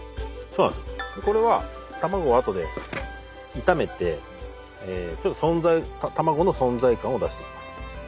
これは卵をあとで炒めてちょっと存在卵の存在感を出していきます。